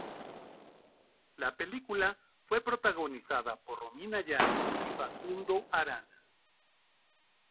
La película fue protagonizada por Romina Yan y Facundo Arana.